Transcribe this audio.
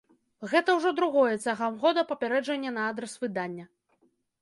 Гэта ўжо другое цягам года папярэджанне на адрас выдання.